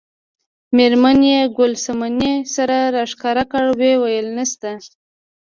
میرمن یې ګل صمنې سر راښکاره کړ وویل نشته.